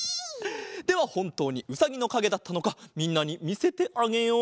ではほんとうにうさぎのかげだったのかみんなにみせてあげよう。